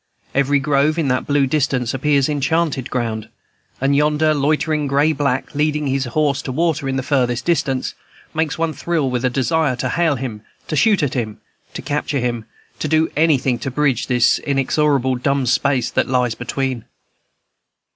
Every grove in that blue distance appears enchanted ground, and yonder loitering gray back leading his horse to water in the farthest distance, makes one thrill with a desire to hail him, to shoot at him, to capture him, to do anything to bridge this inexorable dumb space that lies between.